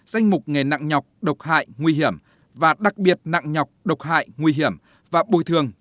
danh mục nghề nặng nhọc độc hại nguy hiểm và đặc biệt nặng nhọc độc hại nguy hiểm và bồi thường